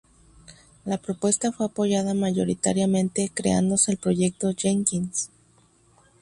La propuesta fue apoyada mayoritariamente creándose el proyecto Jenkins.